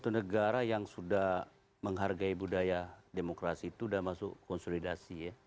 satu negara yang sudah menghargai budaya demokrasi itu sudah masuk konsolidasi ya